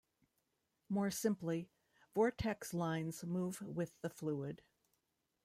More simply, vortex lines move with the fluid.